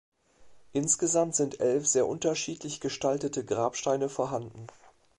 Insgesamt sind elf sehr unterschiedlich gestaltete Grabsteine vorhanden.